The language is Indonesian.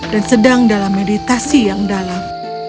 dan sedang dalam meditasi yang dalam